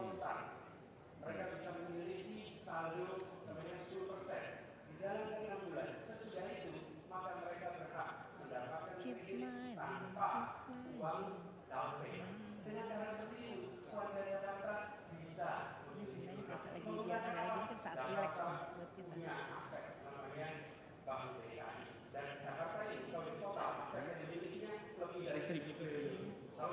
ini kan saat relax